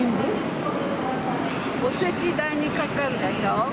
おせち代にかかるでしょ。